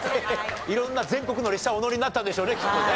色んな全国の列車お乗りになったんでしょうねきっとね。